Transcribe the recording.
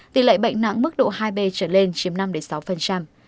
tỷ lệ bệnh nặng mức độ hai b trở lên chiếm năm sáu